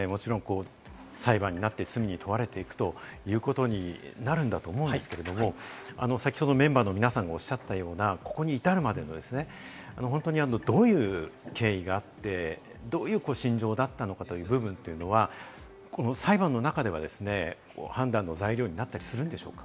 菊地さん、これから裁判になって罪に問われていくということになるんだと思うんですけれども、先ほどメンバーの皆さんがおっしゃったような、ここに至るまでにどういう経緯があって、どういう心情だったのかという部分は、裁判の中では判断の材料になったりするんでしょうか？